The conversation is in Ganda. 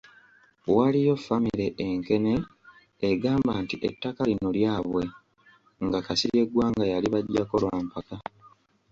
Waliyo famire e Nkene egamba nti ettaka lino lyabwe nga Kasirye Gwanga yalibaggyako lwa mpaka.